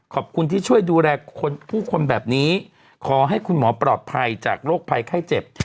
ขอบคุณที่ช่วยดูแลผู้คนแบบนี้ขอให้คุณหมอปลอดภัยจากโรคภัยไข้เจ็บ